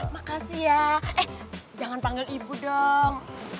makasih ya jangan panggil ibu dong